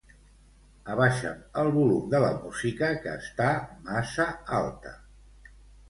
Abaixa'm el volum de la música que està massa alta.